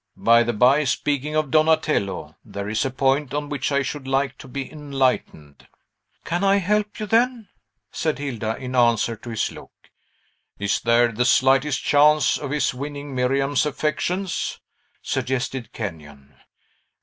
By the bye, speaking of Donatello, there is a point on which I should like to be enlightened." "Can I help you, then?" said Hilda, in answer to his look. "Is there the slightest chance of his winning Miriam's affections?" suggested Kenyon.